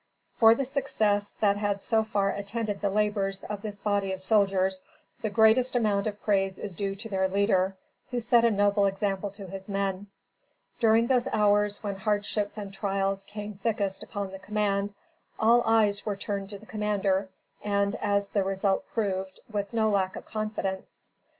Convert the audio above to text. For the success that had so far attended the labors of this body of soldiers, the greatest amount of praise is due to their leader, who set a noble example to his men. During those hours when hardships and trials came thickest upon the command, all eyes were turned to the commander, and, as the result proved, with no lack of confidence.